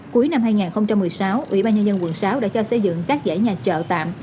cuối năm hai nghìn một mươi sáu ủy ban nhân dân quận sáu đã cho xây dựng các giải nhà chợ tạm